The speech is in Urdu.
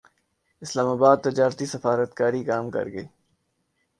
اسلام اباد تجارتی سفارت کاری کام کرگئی